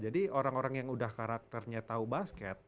jadi orang orang yang udah karakternya tau basket